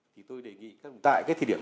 tháng bốn năm hai nghìn